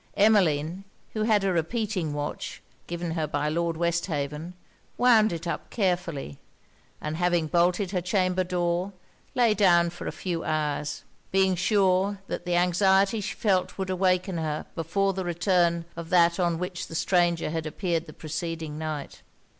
Emmeline, who had a repeating watch, given her by Lord Westhaven, wound it up carefully; and having bolted her chamber door, lay down for a few hours; being sure that the anxiety she felt would awaken her before the return of that on which the stranger had appeared the preceding night.